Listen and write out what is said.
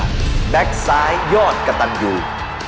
เรียกว่าแบ็คซ้ายยอดกะตันอยู่